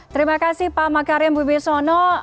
terima kasih pak makarim bubisono